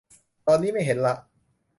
ตอนนี้ไม่เห็นละ